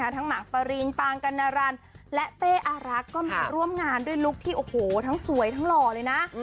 ทั้งหนักปรีนปางกัณฑรรณและเป๊อรักก็มาร่วมงานด้วยลุคที่ทั้งสวยทั้งหล่อเลยนะ